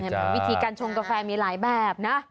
วิธีการชงกาแฟมีหลายแบบนะ